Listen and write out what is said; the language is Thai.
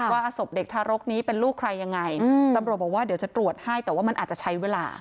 ว่าศพเด็กทารกนี้เป็นลูกใครยังไงตำรวจบอกว่าเดี๋ยวจะตรวจให้แต่ว่ามันอาจจะใช้เวลา